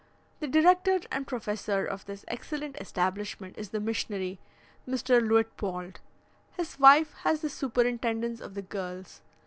The director and professor of this excellent establishment is the missionary, Mr. Luitpold; his wife has the superintendence of the girls.